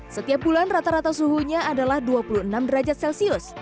setiap bulan rata rata suhunya adalah dua puluh enam derajat celcius